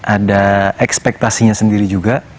ada ekspektasinya sendiri juga